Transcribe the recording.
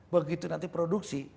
begitu nanti produksi